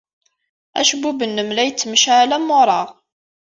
Acebbub-nnem la yettmecɛal am wureɣ.